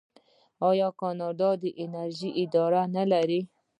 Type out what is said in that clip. آیا کاناډا د انرژۍ اداره نلري؟